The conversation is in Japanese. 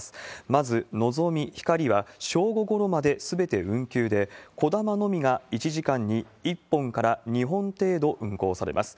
まず、のぞみ、ひかりは、正午ごろまですべて運休で、こだまのみが１時間に１本から２本程度運行されます。